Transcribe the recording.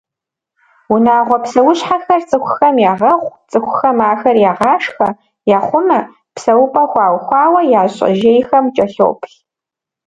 Унагъуэ псэущхьэхэр цӏыхухэм ягъэхъу, цӏыхухэм ахэр ягъашхэ, яхъумэ, псэупӏэ хуаухуэ, я щӏэжьейхэм кӏэлъоплъ.